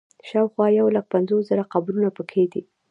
شاوخوا یو لک پنځوس زره قبرونه په کې دي.